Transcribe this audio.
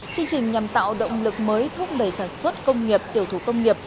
chương trình nhằm tạo động lực mới thúc đẩy sản xuất công nghiệp tiểu thủ công nghiệp